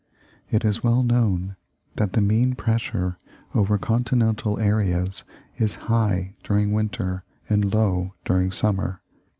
It is well known that the mean pressure over Continental areas is high during winter and low during summer.